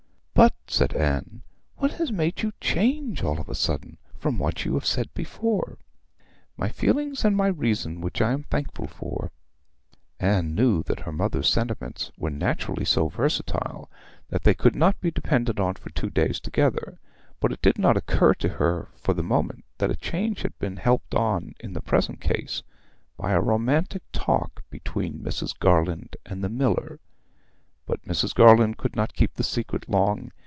'But,' said Anne, 'what has made you change all of a sudden from what you have said before?' 'My feelings and my reason, which I am thankful for!' Anne knew that her mother's sentiments were naturally so versatile that they could not be depended on for two days together; but it did not occur to her for the moment that a change had been helped on in the present case by a romantic talk between Mrs. Garland and the miller. But Mrs. Garland could not keep the secret long.